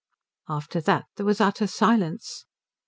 After that there was utter silence.